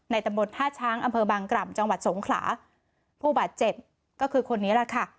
ตำบลท่าช้างอำเภอบางกล่ำจังหวัดสงขลาผู้บาดเจ็บก็คือคนนี้แหละค่ะ